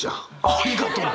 ありがとう！